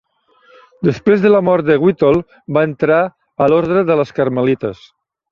Després de la mort de Witold, va entrar a l'ordre de les Carmelites.